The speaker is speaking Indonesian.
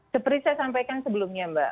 seperti saya sampaikan sebelumnya mbak